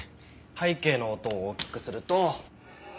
背景の音を大きくすると。